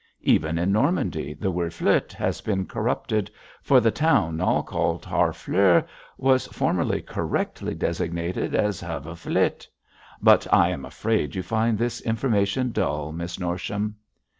Even in Normandy the word fleot has been corrupted, for the town now called Harfleur was formerly correctly designated "Havoflete." But I am afraid you find this information dull, Miss Norsham!'